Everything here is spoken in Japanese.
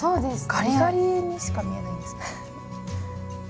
ガリガリにしか見えないんですけど。